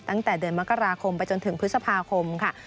ตั้งแต่เดือนมกราคมไปจนถึงพฤษภาคมค่ะ